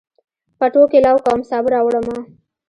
پټوکي لو کوم، سابه راوړمه